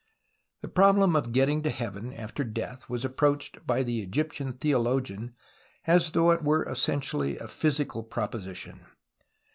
The problem of getting to heaven after death was approached by the Egyptian theologian as though it were essentially a physical pro position.